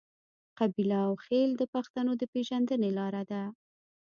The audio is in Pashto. قبیله او خیل د پښتنو د پیژندنې لار ده.